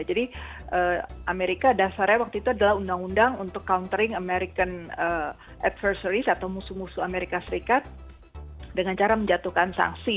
jadi amerika dasarnya waktu itu adalah undang undang untuk countering american adversaries atau musuh musuh amerika serikat dengan cara menjatuhkan sanksi